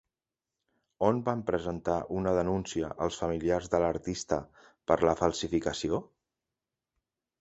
On van presentar una denúncia els familiars de l'artista per la falsificació?